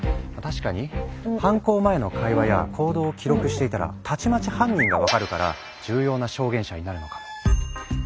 確かに犯行前の会話や行動を記録していたらたちまち犯人が分かるから重要な証言者になるのかも。